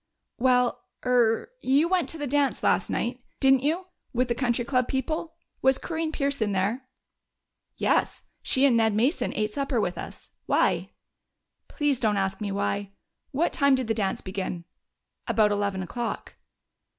"Well er you went to that dance last night, didn't you, with the Country Club people? Was Corinne Pearson there?" "Yes, she and Ned Mason ate supper with us. Why?" "Please don't ask me why! What time did the dance begin?" "About eleven o'clock."